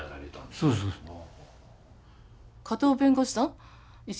そうそうそう。